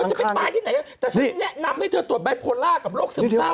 จะไปตายที่ไหนแต่ฉันแนะนำให้เธอตรวจไบโพล่ากับโรคซึมเศร้า